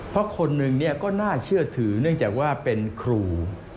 เพราะคนหนึ่งก็น่าเชื่อถือเนื่องจากว่าเป็นครู